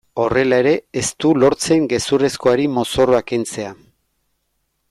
Horrela ere ez du lortzen gezurrezkoari mozorroa kentzea.